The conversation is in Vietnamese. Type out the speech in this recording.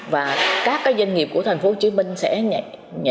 và các cái doanh nghiệp của tp hcm sẽ nhảy vào đây để tìm hiểu thị trường tìm hiểu hàng hóa